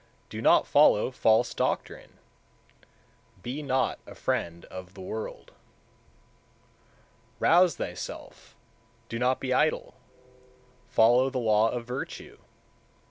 Do not follow false doctrine! Be not a friend of the world. 168. Rouse thyself! do not be idle! Follow the law of virtue!